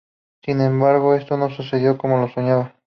Sin embargo, esto no sucedió como lo soñaba.